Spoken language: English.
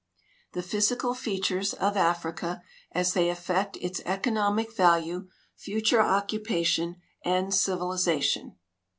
THE PHYSICAL FEATURES OF AFRICA AS THEY AFFECT ITS ECO NOMIC VALUE, FUTURE OCCUPATION, AND CIVILIZATION.